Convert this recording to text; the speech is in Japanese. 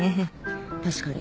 確かに。